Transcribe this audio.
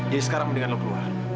jadi sekarang mendingan lu keluar